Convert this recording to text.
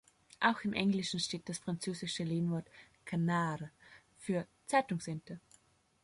Auch im Englischen steht das französische Lehnwort "canard" für „Zeitungsente“.